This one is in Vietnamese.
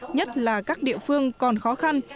nhất là các địa phương còn khó khăn